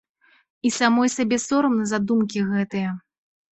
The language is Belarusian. І самой сабе сорамна за думкі гэтыя!